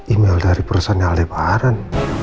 email dari perusahaan yang lebaran